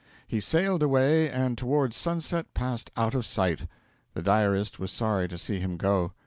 He sailed away, and toward sunset passed out of sight. The diarist was sorry to see him go.